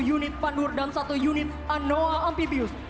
satu unit pandur dan satu unit anoa ampibius